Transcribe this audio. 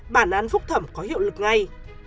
bản án phúc thẩm có hiệu lực ngay